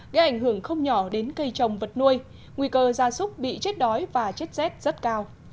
gây ảnh hưởng không nhỏ đến cây trồng vật nuôi nguy cơ gia súc bị chết đói và chết rét rất cao